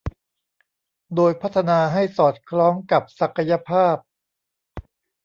โดยพัฒนาให้สอดคล้องกับศักยภาพ